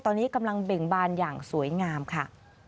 ตอนนี้กำลังเบ่งบานอย่างสวยงามค่ะ